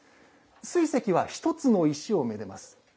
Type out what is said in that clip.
水石は１つの石を愛でます。